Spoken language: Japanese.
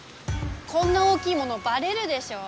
こんな大きいものバレるでしょ？